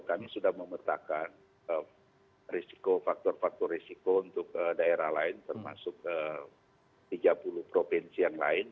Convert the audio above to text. kami sudah memetakan risiko faktor faktor risiko untuk daerah lain termasuk tiga puluh provinsi yang lain